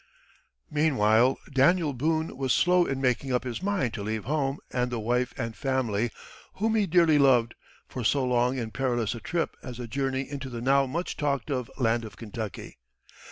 Meanwhile, Daniel Boone was slow in making up his mind to leave home and the wife and family whom he dearly loved for so long and perilous a trip as a journey into the now much talked of land of Kentucky.